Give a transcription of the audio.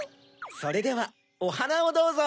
それではおはなをどうぞ。